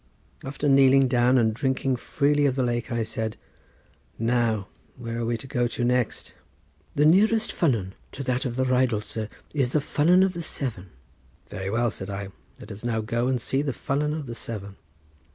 After kneeling down and drinking freely of the lake I said: "Now, where are we to go to next?" "The nearest ffynnon to that of the Rheidol, sir, is the ffynnon of the Severn." "Very well," said I; "let us now go and see the ffynnon of the Severn!"